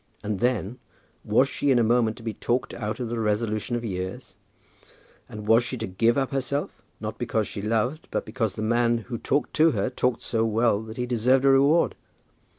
And then, was she in a moment to be talked out of the resolution of years; and was she to give up herself, not because she loved, but because the man who talked to her talked so well that he deserved a reward?